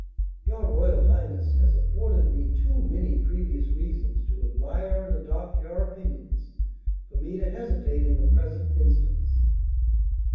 "Your royal highness has afforded me too many previous reasons to admire and adopt your opinions for me to hesitate in the present instance."